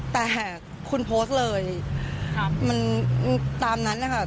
แต่หากคุณโพสต์เลยมันตามนั้นนะคะ